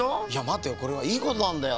これはいいことなんだよ。